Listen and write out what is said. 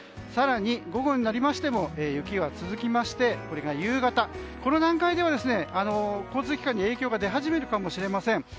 更に午後になりましても雪は続きましてこれが夕方、この段階では交通機関に影響が出始めるかもしれません。